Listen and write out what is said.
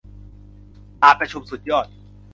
การประชุมสุดยอด